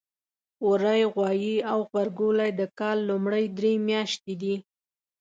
وری ، غوایی او غبرګولی د کال لومړۍ درې میاتشې دي.